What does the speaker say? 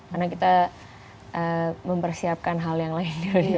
karena kita mempersiapkan hal yang lain